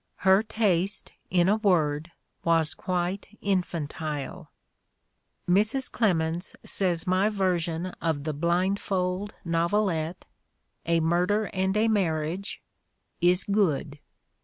Her taste, in a word, was quite infantile. "Mrs. Clemens says my version of the blindfold novelette, 'A Murder and a Marriage,' is 'good.'